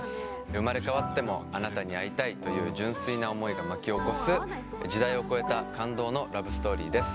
生まれ変わってもあなたに会いたいという純粋な思いが巻き起こす時代を超えた感動のラブストーリーです